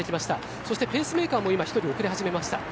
そしてペースメーカーも１人遅れ始めました。